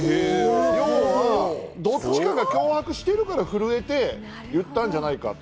どっちかが脅迫してるから震えて言ったんじゃないかって。